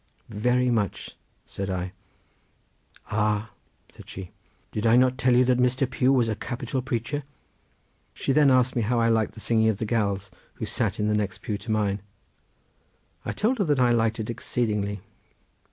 "Very much," said I. "Ah," said she, "did I not tell you that Mr. Pugh was a capital preacher?" She then asked me how I liked the singing of the gals who sat in the next pew to mine. I told her that I liked it exceedingly.